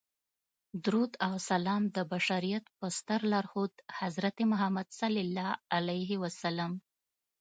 درود او سلام د بشریت په ستر لارښود حضرت محمد صلی الله علیه وسلم.